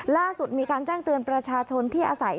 ล่าสุดมีการแจ้งเตือนประชาชนที่อาศัย